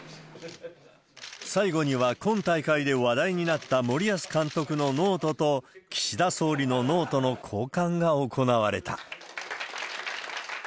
最後には、今大会で話題になった森保監督のノートと、岸田総理のノートの交換が行われた。